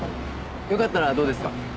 よかったらどうですか？